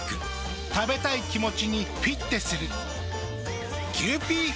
食べたい気持ちにフィッテする。